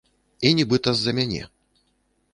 І нібыта з-за мяне.